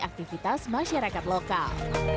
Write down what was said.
aktivitas masyarakat lokal